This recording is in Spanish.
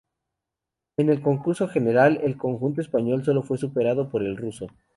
En el concurso general, el conjunto español solo fue superado por el ruso.